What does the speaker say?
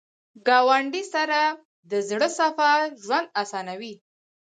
ګاونډي سره د زړه صفا ژوند اسانوي